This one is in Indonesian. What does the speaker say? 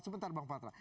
sebentar bang patras